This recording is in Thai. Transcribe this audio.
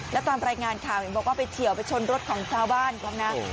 แล้วตามรายงานข่าวเห็นบอกว่าไปเฉียวไปชนรถของชาวบ้านเขานะ